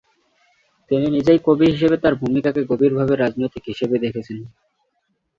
তিনি নিজেই কবি হিসেবে তার ভূমিকাকে "গভীরভাবে রাজনৈতিক" হিসেবে দেখেছেন।